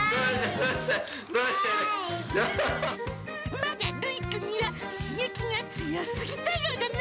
まだるいくんには、刺激が強すぎたようだな。